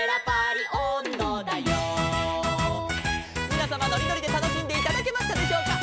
「みなさまのりのりでたのしんでいただけましたでしょうか」